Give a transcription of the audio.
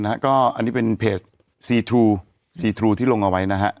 อันนี้เป็นเพจซีทรูซีทรูที่ลงเอาไว้นะฮะ